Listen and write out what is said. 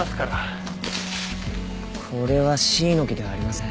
これはシイの木ではありません。